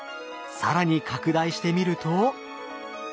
更に拡大してみると。